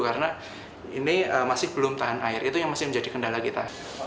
karena ini masih belum tahan air itu yang masih menjadi kendala kita